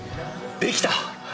できた。